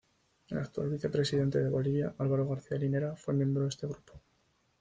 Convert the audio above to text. El actual vicepresidente de Bolivia, Álvaro García Linera, fue miembro de este grupo.